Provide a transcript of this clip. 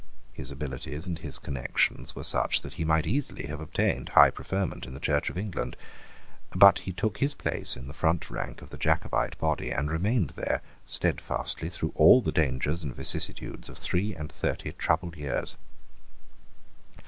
His abilities and his connections were such that he might easily have obtained high preferment in the Church of England. But he took his place in the front rank of the Jacobite body, and remained there stedfastly, through all the dangers and vicissitudes of three and thirty troubled years.